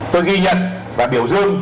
tôi ghi nhận và biểu dương